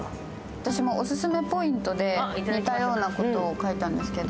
私もオススメポイントで似たようなことを書いたんですけど。